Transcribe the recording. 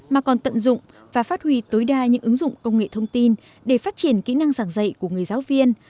mà còn tận dụng và phát huy tối đa những ứng dụng công nghệ thông tin để phát triển kỹ năng giảng dạy của người giáo viên